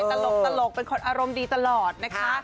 ตลกเป็นคนอารมณ์ดีตลอดนะคะ